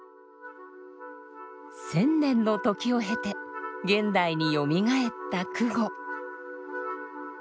１，０００年の時を経て現代によみがえった箜篌。